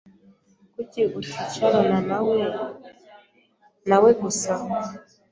Kuki uticaranawe nawe gusa?